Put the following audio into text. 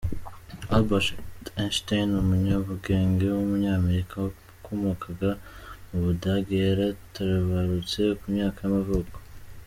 Albert Einstein, umunyabugenge w’umunyamerika wakomokaga mu Budage yaratabarutse, ku myaka y’amavuko.